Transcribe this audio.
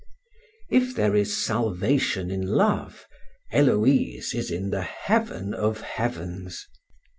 If there is salvation in love, Héloïse is in the heaven of heavens.